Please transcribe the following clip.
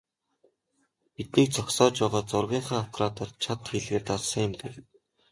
"Биднийг зогсоож байгаад зургийнхаа аппаратаар чад хийлгээд дарсан юм" гэв.